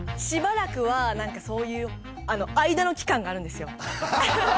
しばらくはなんかそういう間の期間があるんですよ。